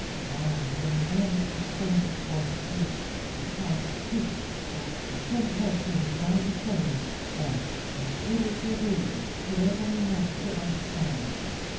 Ah, you may pretend it wasn't you. You can't speak, but you can tell things all the same, and Monsieur le curé is clever enough to understand.